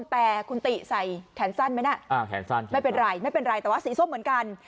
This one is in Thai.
แต่คุณติใส่แขนสั้นไหมนะไม่เป็นไรแต่ว่าสีส้มเหมือนกัน